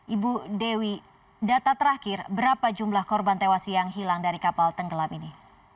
ibu dewi data terakhir berapa jumlah korban tewas yang hilang dari kapal tenggelam ini